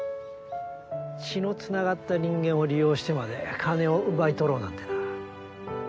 血の繋がった人間を利用してまで金を奪い取ろうなんてな。